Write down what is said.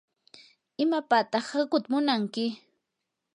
¿imapataq hakuuta munanki?